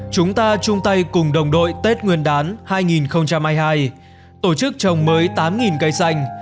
chúng ta chung tay cùng đồng đội tết nguyên đán hai nghìn hai mươi hai tổ chức trồng mới tám cây xanh